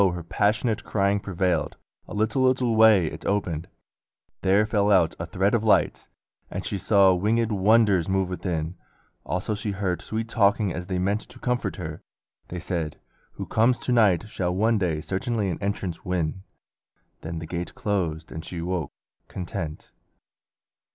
her passionate Crying prevailed. A little little way It opened: there fell out a thread of light, And she saw wingèd wonders move within; Also she heard sweet talking as they meant To comfort her. They said, "Who comes to night Shall one day certainly an entrance win;" Then the gate closed and she awoke content.